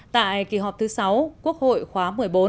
tại kỳ họp thứ sáu quốc hội khóa một mươi bốn